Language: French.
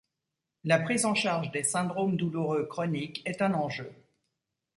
La prise en charge des syndromes douloureux chroniques est un enjeu.